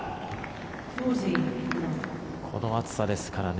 この暑さですからね。